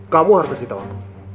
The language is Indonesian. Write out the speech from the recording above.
kamu harus kasih tahu aku